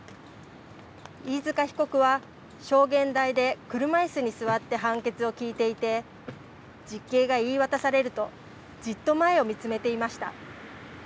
飯塚被告は証言台で車いすに座って判決を聞いていて実刑が言い渡されるとじっと前を見つめていました。